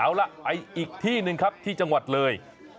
เอาล่ะไปอีกที่หนึ่งครับที่จังหวัดเลย